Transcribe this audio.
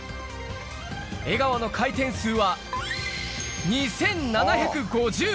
江川の回転数は、２７５０。